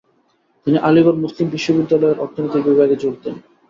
তিনি আলিগড় মুসলিম বিশ্ববিদ্যালয়ের অর্থনীতি বিভাগে যোগ দেন।